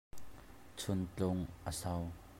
Chuntlung a so.